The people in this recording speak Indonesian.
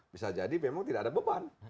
bisa jadi memang tidak ada beban